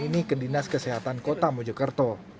ini ke dinas kesehatan kota mojokerto